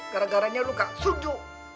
gara garanya lu gak setuju